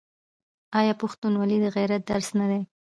آیا پښتونولي د غیرت درس نه دی؟